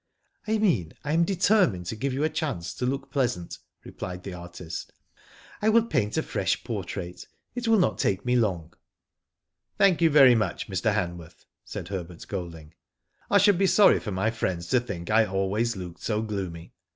"I mean I am determined to give you a chance to look pleasant," replied the artist. " I will paint a fresh portrait. It will not take me long." " Thank you very much, Mr. Hanworth," said Herbert Golding. " I should be sorry for my friends to think I always looked so gloomy.